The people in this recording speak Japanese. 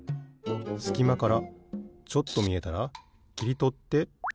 すきまからちょっとみえたらきりとってペタン。